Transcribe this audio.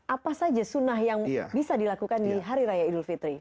apa saja sunnah yang bisa dilakukan di hari raya idul fitri